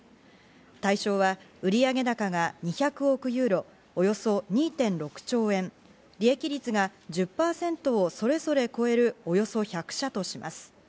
対象は売上高が２００億ユーロ、およそ２．６兆円、利益率が１０％をそれぞれ超える、およそ１００社とします。